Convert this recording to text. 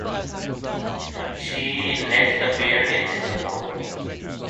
She next appeared in Singapore.